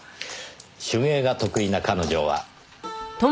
手芸が得意な彼女は？